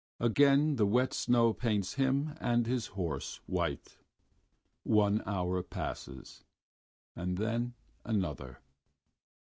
Again the wet snow paints him and his horse white. One hour passes, and then another....